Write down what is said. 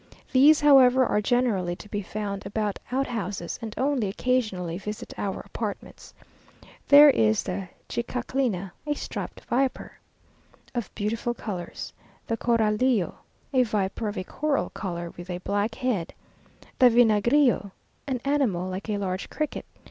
These, however, are generally to be found about outhouses, and only occasionally visit your apartments. There is the chicaclina, a striped viper, of beautiful colours the coralillo, a viper of a coral colour, with a black head the vinagrillo, an animal like a large cricket.